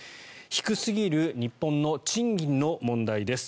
低すぎる日本の賃金の問題です。